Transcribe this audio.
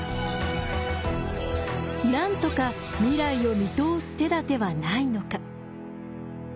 なんとか未来を見通す手立てはないのか。